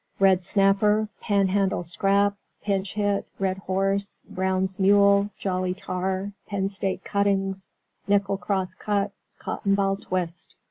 Red Snapper, Panhandle Scrap, Pinch Hit, Red Horse, Brown's Mule, Jolly Tar, Penn Statue Cuttings, Nickel Cross Cut, Cotton Ball Twist.